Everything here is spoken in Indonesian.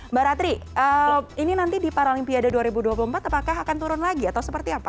mbak ratri ini nanti di paralimpiade dua ribu dua puluh empat apakah akan turun lagi atau seperti apa